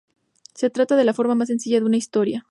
Se trata de la forma más sencilla de una historia.